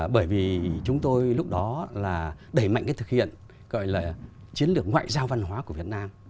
bởi vì chúng tôi lúc đó là đẩy mạnh cái thực hiện gọi là chiến lược ngoại giao văn hóa của việt nam